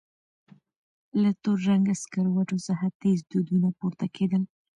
له تور رنګه سکروټو څخه تېز دودونه پورته کېدل.